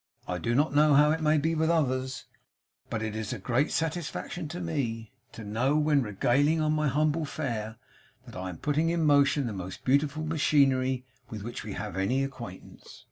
I do not know how it may be with others, but it is a great satisfaction to me to know, when regaling on my humble fare, that I am putting in motion the most beautiful machinery with which we have any acquaintance.